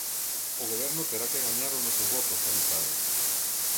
O Goberno terá que gañar os nosos votos, avisaron.